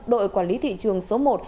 đội quản lý thị trường số một